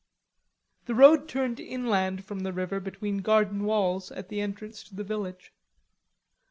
The road turned inland from the river between garden walls at the entrance to the village.